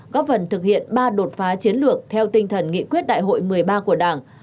góp phần thực hiện ba đột phá chiến lược theo tinh thần nghị quyết đại hội một mươi ba của đảng